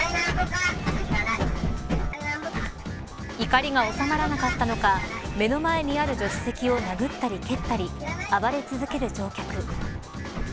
怒りが収まらなかったのか目の前にある助手席を殴ったり蹴ったり暴れ続ける乗客。